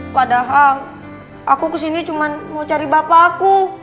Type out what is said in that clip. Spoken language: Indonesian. padahal aku ke sini cuma mau cari bapak aku